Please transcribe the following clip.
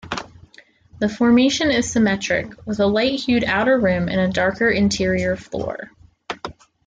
The formation is symmetric, with a light-hued outer rim and a darker interior floor.